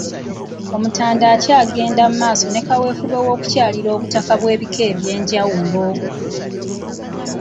Omutanda akyagenda mu maaso ne kaweefube w'okukyalira obutaka bw'ebika eby'enjawulo.